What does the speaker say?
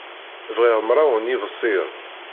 Bɣiɣ mraw n yiḍebsiyen.